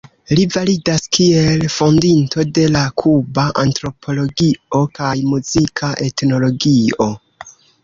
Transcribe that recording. Li validas kiel fondinto de la kuba antropologio kaj muzika etnologio.